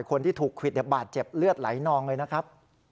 คนที่ถูกควิดบาดเจ็บเลือดไหลนองเลยนะครับ